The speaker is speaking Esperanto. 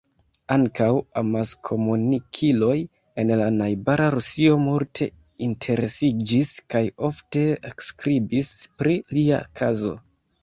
Ankaŭ amaskomunikiloj en la najbara Rusio multe interesiĝis kaj ofte skribis pri lia kazo.